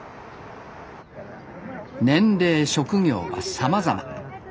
年齢職業はさまざま。